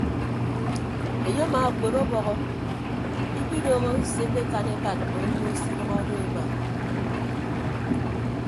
Enye amaakpon ọbọhọ ikpidooho se ekpekan ebat mme owo se ikidʌñọ do ema.